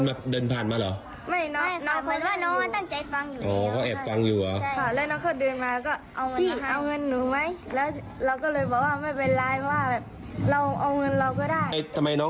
แล้วทีนี้เราก็เก็บเงินไว้จะไปกินขนมตอนเย็น